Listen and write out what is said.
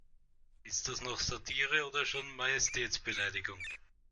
Ist das noch Satire oder schon Majestätsbeleidigung?